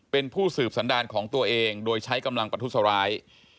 เป็นผู้สืบสันดารของตัวเองโดยใช้กำลังประทุษร้าย